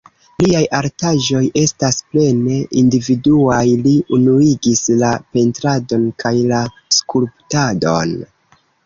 Liaj artaĵoj estas plene individuaj, li unuigis la pentradon kaj la skulptadon.